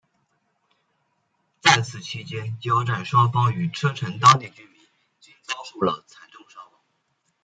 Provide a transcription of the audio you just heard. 在此期间交战双方与车臣当地居民均遭受了惨重伤亡。